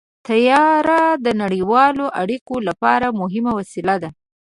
طیاره د نړیوالو اړیکو لپاره مهمه وسیله ده.